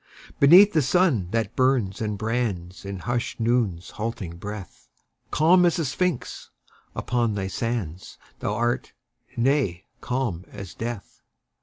Beneath the sun that burns and brands In hushed Noon's halting breath, Calm as the Sphinx upon thy sands Thou art nay, calm as death.